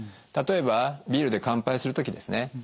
例えばビールで乾杯する時ですね